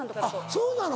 そうなの？